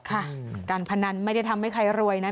การพนันไม่ได้ทำให้ใครรวยนะ